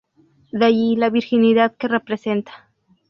De allí la "virginidad" que representa.